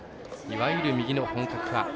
いわゆる右の本格派。